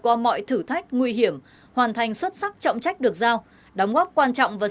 qua mọi thử thách nguy hiểm hoàn thành xuất sắc trọng trách được giao đóng góp quan trọng và